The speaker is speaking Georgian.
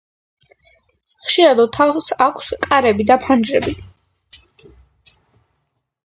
ხშირად ოთახს აქვს კარები და ფანჯრები.